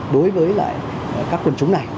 đối với các quân chúng này